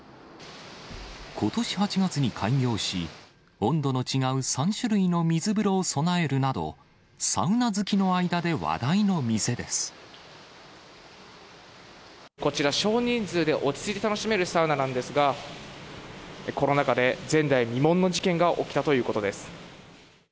ことし８月に開業し、温度の違う３種類の水風呂を備えるなど、サウナ好きの間で話題のこちら、少人数で落ち着いて楽しめるサウナなんですが、この中で前代未聞の事件が起きたということです。